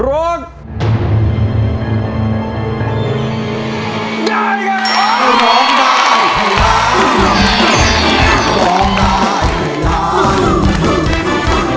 ร้องได้ไง